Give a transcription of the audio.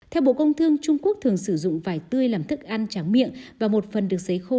theo bộ công thương trung quốc thường sử dụng vải tươi làm thức ăn tráng miệng và một phần được xấy khô